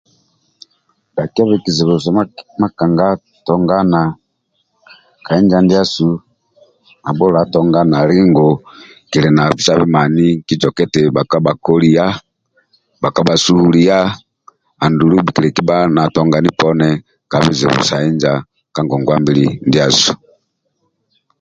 Makanga tongana ka hinja ndiasu bhakpa bhakolia bhakpa bha subulia andulu bhikilikibha na tongani poni ka bizibu sa inja ka ngogwa mbili ndiasu